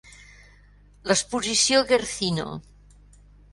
L'exposició Guercino.